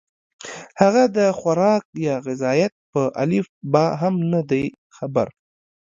هغه د خوراک يا غذائيت پۀ الف ب هم نۀ دي خبر